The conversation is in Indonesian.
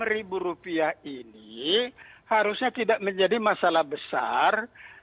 enam ribu rupiah ini harusnya tidak menjadi masalah besar